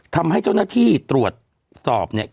ทำให้เจ้าหน้าที่ตรวจสอบเนี่ย